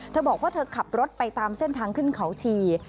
เธอบอกว่าเธอขับรถไปตามเส้นทางขึ้นเขาชี